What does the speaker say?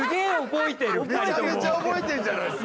めちゃめちゃ覚えてんじゃないっすか。